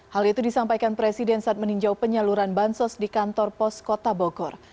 hal itu disampaikan presiden saat meninjau penyaluran bansos di kantor pos kota bogor